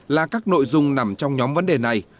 là các nội dung nằm trong nhóm vấn đề này